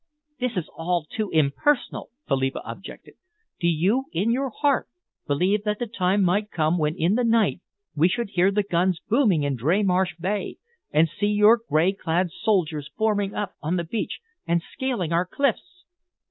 "This is all too impersonal," Philippa objected. "Do you, in your heart, believe that the time might come when in the night we should hear the guns booming in Dreymarsh Bay, and see your grey clad soldiers forming up on the beach and scaling our cliffs?"